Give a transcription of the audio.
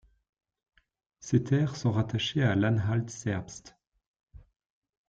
Ses terres sont rattachées à l'Anhalt-Zerbst.